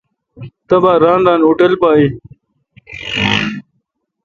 تبا ران ران اوٹل پہ این۔